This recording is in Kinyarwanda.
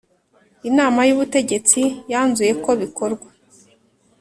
inama y ubutegetsi yanzuye ko bikorwa